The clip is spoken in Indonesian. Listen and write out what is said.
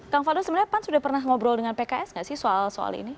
kang fadul sebenarnya pan sudah pernah ngobrol dengan pks gak sih soal soal ini